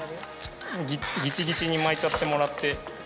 ギチギチに巻いちゃってもらって。